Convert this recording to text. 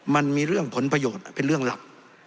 มันมีเรื่องผลประโยชน์เป็นเรื่องลับ